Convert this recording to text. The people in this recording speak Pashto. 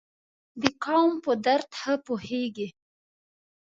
د قام په درد ښه پوهیږي.